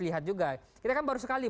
lihat juga kita kan baru sekali